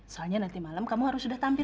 soalnya nanti malam kamu harus sudah tampil